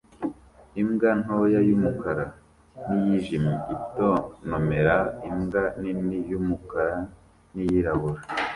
Imbwa ntoya y'umukara n'iyijimye itontomera imbwa nini y'umukara n'iyirabura